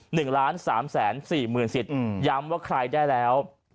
หนึ่งล้านสามแสนสี่หมื่นสิทธิ์อืมย้ำว่าใครได้แล้ว